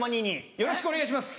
よろしくお願いします。